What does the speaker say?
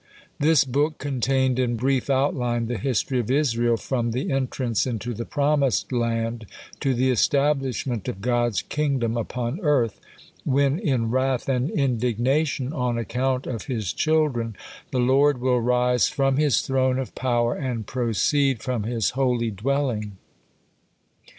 This book contained in brief outline the history of Israel from the entrance into the promised land to the establishment of God's kingdom upon earth, when, in wrath and indignation on account of His children, the Lord will rise from His Throne of power and proceed from His holy dwelling.